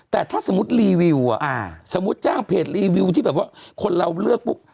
แต่ถ้าสมมุติรีวิวสมมุติจ้างเพจรีวิวที่แบบว่าคนเราเลือกปุ๊บ